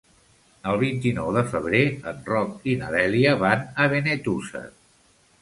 El vint-i-nou de febrer en Roc i na Dèlia van a Benetússer.